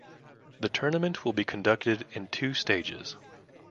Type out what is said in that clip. The tournament will be conducted in two stages.